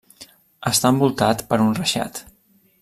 Està envoltat per un reixat.